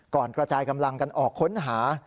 กระจายกำลังกันออกค้นหา